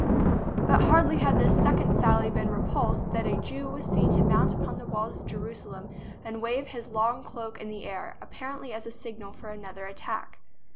But hardly had this second sally been repulsed than a Jew was seen to mount upon the walls of Jerusalem and to wave his long cloak in the air, ap parently as a signal for another attack.